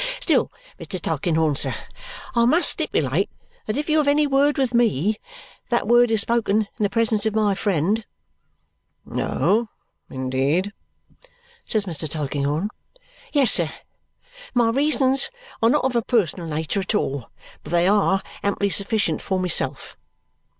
Still, Mr. Tulkinghorn, sir, I must stipulate that if you have any word with me, that word is spoken in the presence of my friend." "Oh, indeed?" says Mr. Tulkinghorn. "Yes, sir. My reasons are not of a personal nature at all, but they are amply sufficient for myself."